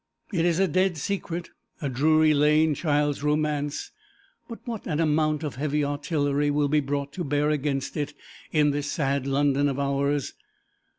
It is a dead secret, a Drury Lane child's romance; but what an amount of heavy artillery will be brought to bear against it in this sad London of ours.